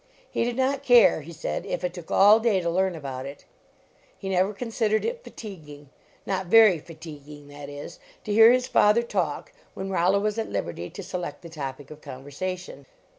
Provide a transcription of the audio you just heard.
Me did not care, he said, if it took all day to learn about it. He never considered it fatiguing not very fatiguing, that is to hear his father talk, when Rollo was at liberty to select the topic of conversation.